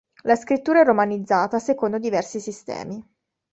La scrittura è romanizzata secondo diversi sistemi.